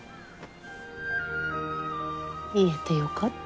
言えてよかった。